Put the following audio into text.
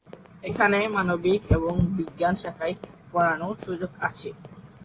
এখানে মানবিক এবং বিজ্ঞান শাখায় পড়ানোর সুযোগ আছে।